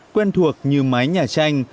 quen thuộc như mái nhà tranh